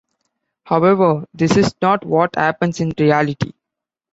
However, this is not what happens in reality.